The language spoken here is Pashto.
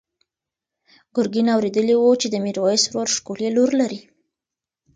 ګرګین اورېدلي وو چې د میرویس ورور ښکلې لور لري.